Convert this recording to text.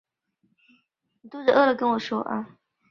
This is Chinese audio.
属卢布林总教区。